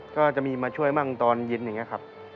ก็จะมีมาช่วยบ้างตอนเย็นอย่างนี้ครับ